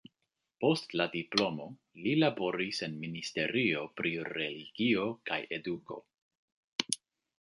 Post la diplomo li laboris en ministerio pri Religio kaj Eduko.